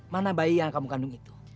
mana bayi yang kamu kandung itu